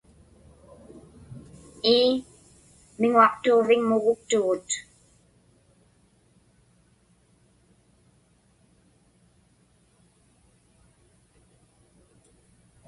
Ii, miŋuaqtuġviŋmuguktugut.